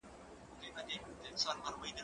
زه اوس بازار ته ځم؟!